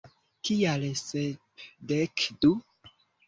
Kial Sepdek du?